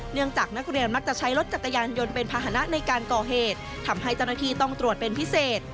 เนื่องจากนักเรียนมักใช้รถจัดทรยานยนต์เป็นภาษณ์ในการก่อแห่งเหตุทำให้จับหลักทางตรวจเป็นพิเศษ